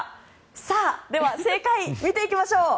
さあ、では正解を見ていきましょう。